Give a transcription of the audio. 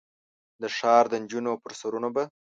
د ښار د نجونو پر سرونو به ،